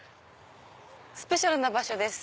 スペシャルな場所です。